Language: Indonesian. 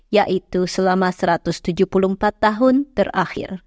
yaitu selama satu ratus tujuh puluh empat tahun terakhir